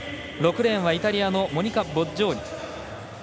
６レーンはイタリアのモニカ・ボッジョーニ。